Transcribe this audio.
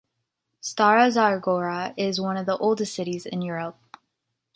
Stara Zagora is one of the oldest cities in Europe.